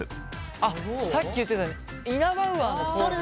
あっさっき言ってたイナバウアーのポーズだ。